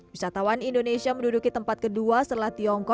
wisatawan indonesia menduduki tempat kedua setelah tiongkok